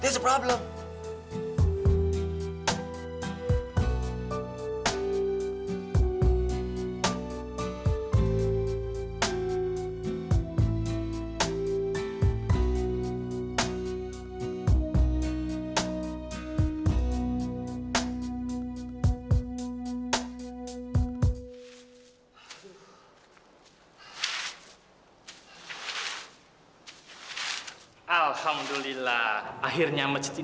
gak ada masalah